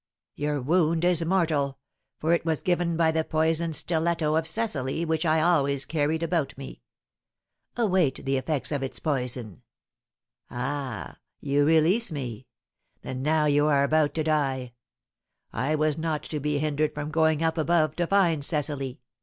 "Your wound is mortal, for it was given by the poisoned stiletto of Cecily, which I always carried about me. Await the effects of its poison Ah! You release me! Then now you are about to die! I was not to be hindered from going up above to find Cecily!"